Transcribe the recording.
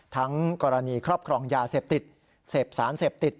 ทั้งกรณีครอบครองยาเสพติดเสพสารเสพติด